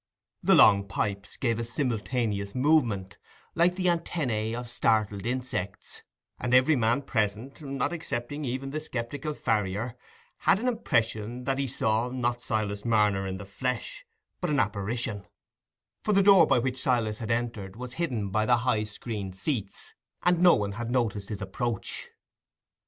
The long pipes gave a simultaneous movement, like the antennae of startled insects, and every man present, not excepting even the sceptical farrier, had an impression that he saw, not Silas Marner in the flesh, but an apparition; for the door by which Silas had entered was hidden by the high screened seats, and no one had noticed his approach.